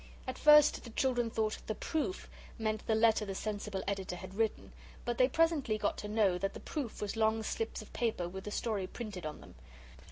At first the children thought 'the Proof' meant the letter the sensible Editor had written, but they presently got to know that the proof was long slips of paper with the story printed on them.